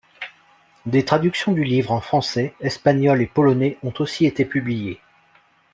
Des traductions du livre en français, espagnol et polonais ont aussi été publiées.